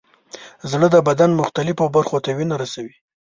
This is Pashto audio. زړه د بدن مختلفو برخو ته وینه رسوي.